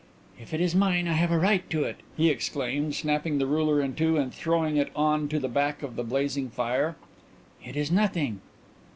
"If it is mine I have a right to it," he exclaimed, snapping the ruler in two and throwing it on to the back of the blazing fire. "It is nothing."